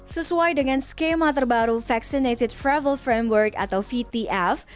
sesuai dengan skema terbaru vaccinated travel framework atau vtf